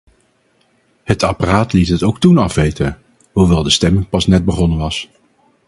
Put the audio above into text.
Het apparaat liet het ook toen afweten, hoewel de stemming pas net begonnen was.